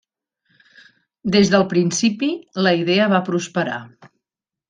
Des del principi, la idea va prosperar.